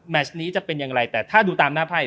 แมชย์นี้จะเป็นอะไรก็ต้องดูตามหน้าไพ่